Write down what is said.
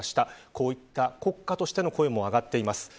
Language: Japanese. こういった国家としての声も上がっています。